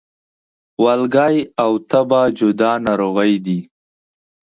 والګی او تبه جدا ناروغي دي